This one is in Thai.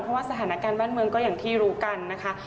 เพราะว่าสถานการณ์บ้านเมืองก็อย่างที่รู้กันนะคะ